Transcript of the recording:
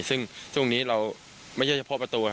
ซึ่งช่วงนี้เราไม่ใช่เฉพาะประตู